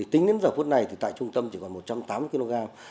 tính đến giờ phút này thì tại trung tâm chỉ còn một trăm tám mươi kg